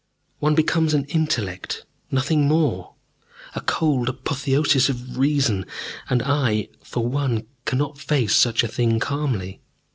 One becomes an intellect, nothing more a cold apotheosis of reason. And I, for one, cannot face such a thing calmly."